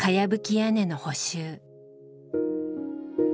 屋根の補修。